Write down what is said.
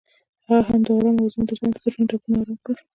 هغې د آرام اوازونو ترڅنګ د زړونو ټپونه آرام کړل.